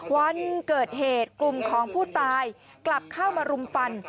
วันเกิดเหตุกลุ่มของผู้ตายกลับเข้ามารุมฟัน